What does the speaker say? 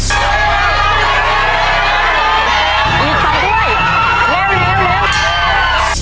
เร็ว